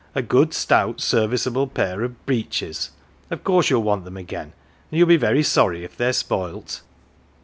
' A good, stout, serviceable pair of breeches ! Of course you'll want them again, and you'll be very sorry if they're spoilt.'